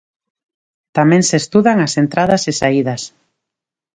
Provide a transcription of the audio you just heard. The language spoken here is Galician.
Tamén se estudan as entradas e saídas.